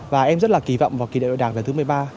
và em rất là kỳ vọng vào kỳ đại hội đảng lần thứ một mươi ba